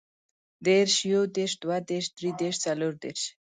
دېرش، يودېرش، دوهدېرش، دريدېرش، څلوردېرش